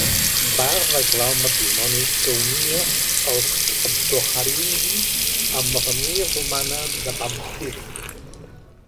Va arreglar el matrimoni que unia els Aldobrandini amb la família romana de Pamphili.